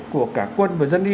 của cả quân và dân y